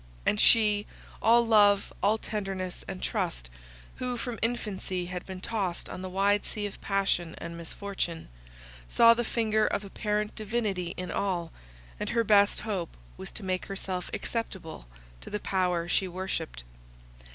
and she, all love, all tenderness and trust, who from infancy had been tossed on the wide sea of passion and misfortune, saw the finger of apparent divinity in all, and her best hope was to make herself acceptable to the power she worshipped.